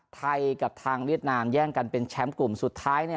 ไทยกับทางเวียดนามแย่งกันเป็นแชมป์กลุ่มสุดท้าย